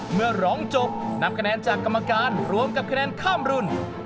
เมื่อร้องจบนำคะแนนจากกรรมการรวมกับคะแนนข้ามรุ่น